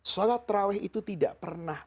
sholat terawih itu tidak pernah